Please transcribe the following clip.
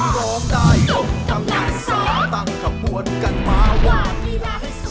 ร้องได้ยกกำลังซ่าตั้งขบวนกันมาวันนี้ล่ะ